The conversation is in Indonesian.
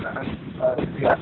yang seharinya meningkat